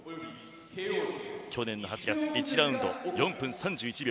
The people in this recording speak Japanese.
去年８月、１ラウンド４分３１秒